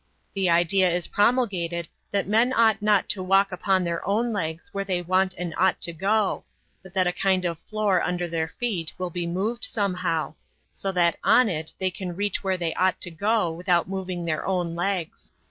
The idea is promulgated that men ought not to walk on their own legs where they want and ought to go, but that a kind of floor under their feet will be moved somehow, so that on it they can reach where they ought to go without moving their own legs.